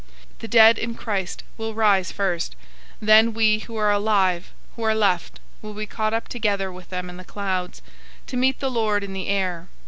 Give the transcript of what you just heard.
The dead in Christ will rise first, 004:017 then we who are alive, who are left, will be caught up together with them in the clouds, to meet the Lord in the air.